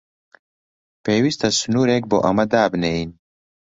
پێویستە سنوورێک بۆ ئەمە دابنێین.